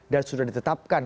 dan sudah ditetapkan